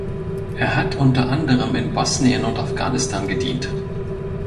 Er hat unter anderem in Bosnien und Afghanistan gedient.